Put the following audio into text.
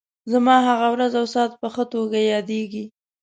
زما هغه ورځ او ساعت په ښه توګه یادېږي.